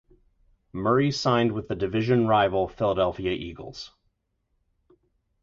Murray signed with the division rival Philadelphia Eagles.